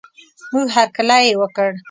موږ هر کلی یې وکړ.